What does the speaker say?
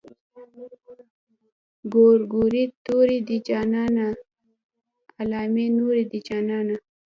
ګورګورې تورې دي جانانه علامې نورې دي جانانه.